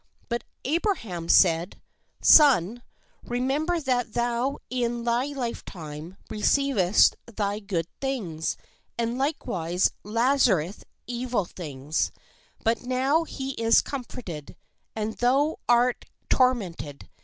But Abraham said : "Son, remember that thou in thy lifetime re ceivedst thy good things, and likewise Lazarus evil things: but now he is comforted, and thou art tormented.